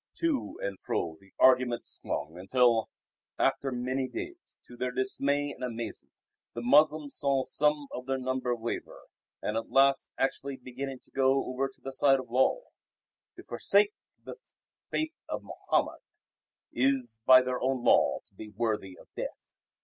To and fro the argument swung till, after many days, to their dismay and amazement the Moslems saw some of their number waver and at last actually beginning to go over to the side of Lull. To forsake the Faith of Mohammed is by their own law to be worthy of death.